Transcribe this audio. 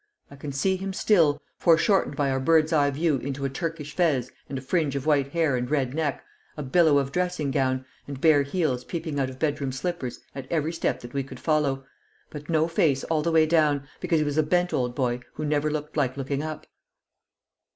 I can see him still, foreshortened by our bird's eye view into a Turkish fez and a fringe of white hair and red neck, a billow of dressing gown, and bare heels peeping out of bedroom slippers at every step that we could follow; but no face all the way down, because he was a bent old boy who never looked like looking up.